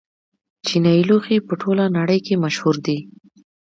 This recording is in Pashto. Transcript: چیني لوښي په ټوله نړۍ کې مشهور دي.